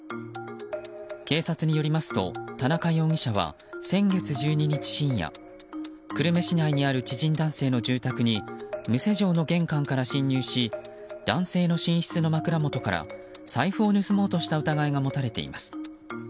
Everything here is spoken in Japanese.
警察によりますと田中容疑者は先月１２日深夜久留米市内にある知人男性の住宅に無施錠の玄関から侵入し男性の寝室の枕元から財布を盗もうとした疑いが持たれています。